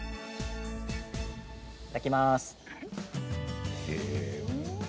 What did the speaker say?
いただきます。